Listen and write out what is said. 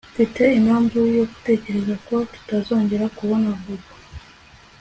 Mfite impamvu yo gutekereza ko tutazongera kubona Bobo